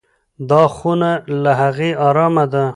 دا خونه له هغې ارامه ده.